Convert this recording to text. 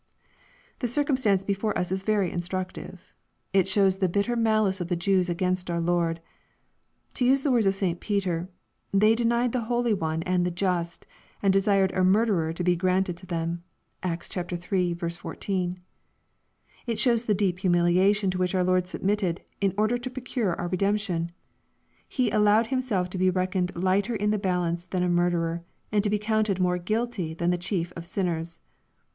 The circumstance before us is very instructive. It shows the bitter malice of the Jews against our Lord. . To use the words of St. Peter, " They denied the holy lOne and the just, and desired a murderer to be granted ito them." (Acts iii. 14.) It shows the deep humiliation to which our Lord submitted, in order to procure our re demption. He allowed Himself to be reckoned lighter in the balance than a murderer, and to be counted more guilty than the chief of sinners